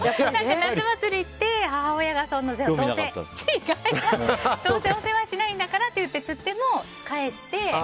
夏祭りって母親がどうせ世話しないんだからって釣っても返して。